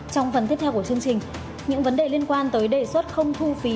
trong phần tiếp theo của chương trình những vấn đề liên quan tới đề xuất không thu phí